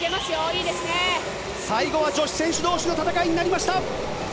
最後は女子選手同士の戦いになりました。